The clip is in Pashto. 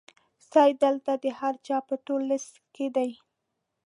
سید دلته د هر چا په تور لیست کې دی.